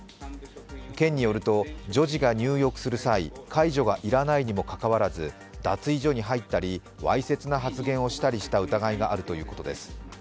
県によると女児が入浴する際、介助が要らないにもかかわらず脱衣所に入ったり、わいせつな発言をした疑いがあるということです。